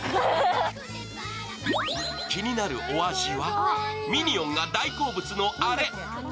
気になるお味は、ミニオンが大好物のあれ。